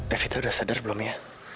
evita udah sadar belum ya